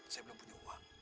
saya belum punya uang